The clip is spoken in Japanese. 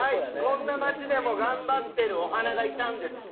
こんな街でも頑張ってるお花がいたんです。